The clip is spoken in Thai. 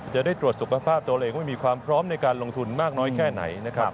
จะได้ตรวจสุขภาพตัวเองว่ามีความพร้อมในการลงทุนมากน้อยแค่ไหนนะครับ